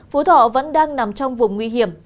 phú thọ vẫn đang nằm trong vùng nguy hiểm